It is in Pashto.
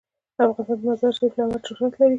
افغانستان د مزارشریف له امله شهرت لري.